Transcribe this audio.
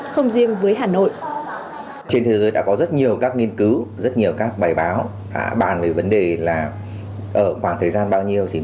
không riêng với hà nội